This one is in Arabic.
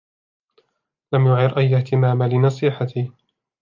لم يعر أي اهتمام لنصيحتي.